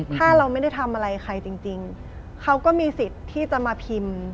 ถ้าเราไม่ได้ทำอะไรใครจริงเขาก็มีสิทธิ์ที่จะมาพิมพ์